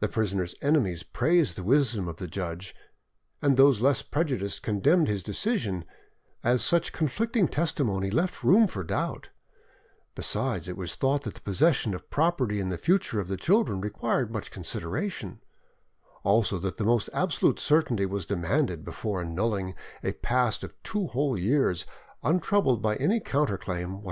The prisoner's enemies praised the wisdom of the judge, and those less prejudiced condemned his decision; as such conflicting testimony left room for doubt. Besides, it was thought that the possession of property and the future of the children required much consideration, also that the most absolute certainty was demanded before annulling a past of two whole years, untroubled by any counter claim